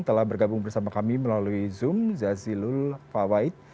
telah bergabung bersama kami melalui zoom zazilul fawait